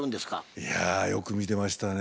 いやよく見てましたね。